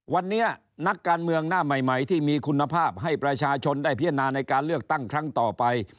วันนี้นักการเมืองหน้าใหม่ที่มีคุณภาพให้ประชาชนได้พิจารณาในการเลือกตั้งครั้งต่อไป